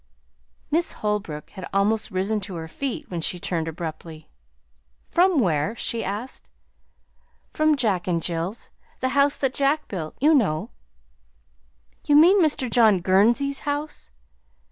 Miss Holbrook had almost risen to her feet when she turned abruptly. "From where?" she asked. "From Jack and Jill's the House that Jack Built, you know." "You mean Mr. John Gurnsey's house?"